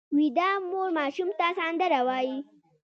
ویده مور ماشوم ته سندره وایي